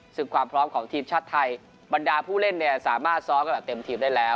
ซึ่งความพร้อมของทีมชาติไทยบรรดาผู้เล่นเนี่ยสามารถซ้อมกันแบบเต็มทีมได้แล้ว